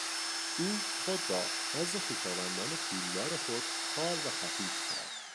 او خود را نزد خویشاوندان پولدار خود خوار و خفیف کرد.